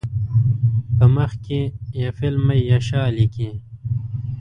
په مخ کې یفل من یشاء لیکي.